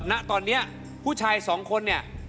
ณตอนนี้ผู้ชายสองคนเนี่ย